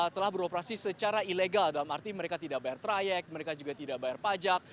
telah beroperasi secara ilegal dalam arti mereka tidak bayar trayek mereka juga tidak bayar pajak